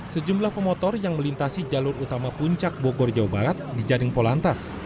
sejumlah pemotor yang melintasi jalur utama puncak bogor jawa barat di jaring polantas